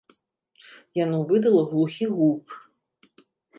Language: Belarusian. Яно выдала глухі гук.